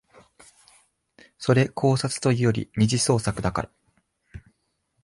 それ考察というより二次創作だから